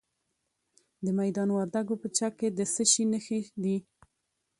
د میدان وردګو په چک کې د څه شي نښې دي؟